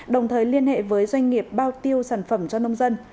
đồng thời liên hệ với doanh nghiệp bao tiêu sản phẩm cho nông dân